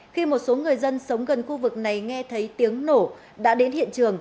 khi một số người dân sống gần khu vực này nghe thấy tiếng nổ đã đến hiện trường